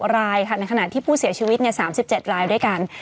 รายค่ะในขณะที่ผู้เสียชีวิต๓๗รายด้วยกัน